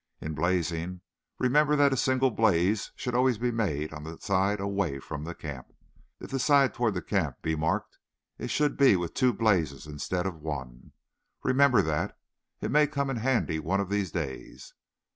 In blazing, remember that a single blaze should always be made on the side away from the camp. If the side toward the camp be marked it should be with two blazes instead of one. Remember that. It may come in handy one of these days.